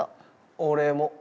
俺も。